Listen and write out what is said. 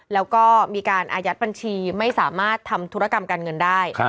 แล้วก็มีการอายัดบัญชีไม่สามารถทำธุรกรรมการเงินได้